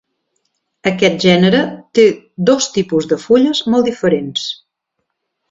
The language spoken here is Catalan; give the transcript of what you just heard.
Aquest gènere té dos tipus de fulles molt diferents.